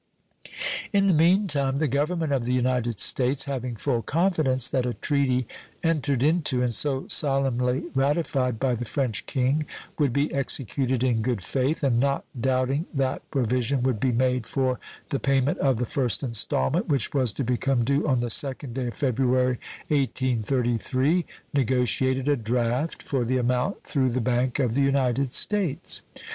In the mean time the Government of the United States, having full confidence that a treaty entered into and so solemnly ratified by the French King would be executed in good faith, and not doubting that provision would be made for the payment of the first installment which was to become due on the second day of February, 1833, negotiated a draft for the amount through the Bank of the United States.